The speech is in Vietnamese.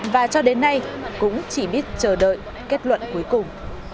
và cho đến nay cũng chỉ biết chờ đợi kết luận cuối cùng